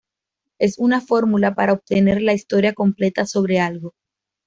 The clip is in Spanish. Es una fórmula para obtener la historia "completa" sobre algo.